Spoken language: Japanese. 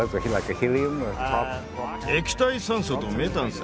液体酸素とメタンさ。